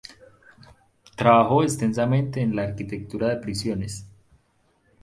Trabajó extensamente en la arquitectura de prisiones.